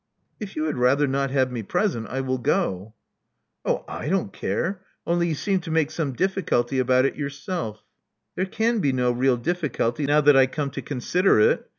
If you had rather not have me present, I will go." '*Oh, I don't care. Only you seemed to make some difficulty about it yourself. ''* 'There can be no real difficulty, now that I come to consider it.